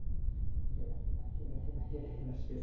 ヘラヘラヘラヘラヘラヘラしてさ